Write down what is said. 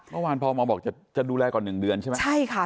เมื่อวานพมบอกจะดูแลก่อน๑เดือนใช่ไหมใช่ค่ะ